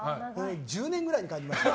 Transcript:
１０年ぐらいに感じました。